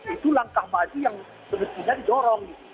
itu langkah maju yang semestinya didorong